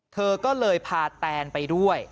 เธอก็เลยพาแตนไปด้วย